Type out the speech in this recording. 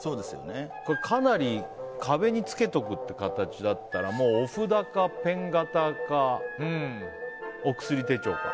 かなり壁につけておくって形だともうお札か、ペン型かお薬手帳か。